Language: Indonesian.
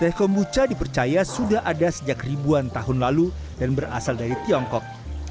teh kombucha dipercaya sudah ada sejak ribuan tahun lalu dan berasal dari tiongkok